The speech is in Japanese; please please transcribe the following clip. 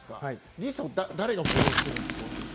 リーチさんを誰がフォローしてるんですか？